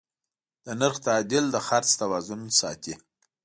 د نرخ تعدیل د خرڅ توازن ساتي.